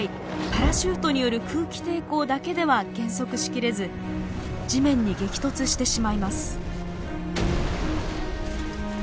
パラシュートによる空気抵抗だけでは減速し切れず地面に激突してしまいます。